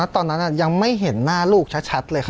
ตอนนั้นยังไม่เห็นหน้าลูกชัดเลยค่ะ